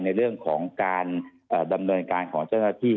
ในเรื่องของการดำเนินการของเจ้าหน้าที่